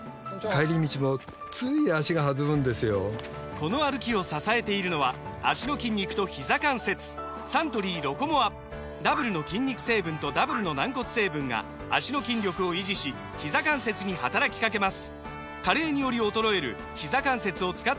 この歩きを支えているのは脚の筋肉とひざ関節サントリー「ロコモア」ダブルの筋肉成分とダブルの軟骨成分が脚の筋力を維持しひざ関節に働きかけます加齢により衰えるひざ関節を使った動きをスムーズにすることが報告されています